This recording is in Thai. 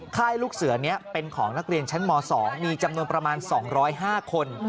ค่ายลูกเสือนี้เป็นของนักเรียนชั้นม๒มีจำนวนประมาณ๒๐๕คน